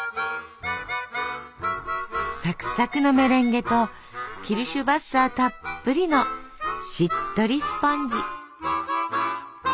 サクサクのメレンゲとキルシュヴァッサーたっぷりのしっとりスポンジ。